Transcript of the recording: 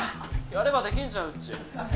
やればできんじゃんウッチー。